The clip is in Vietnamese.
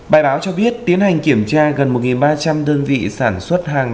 bài báo cho biết tiến hành kiểm tra gần một ba trăm linh đơn vị sản xuất hàng